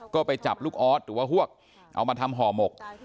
ก็ไปจับลูกออสหรือว่าฮวกเอามาทำห่อหมก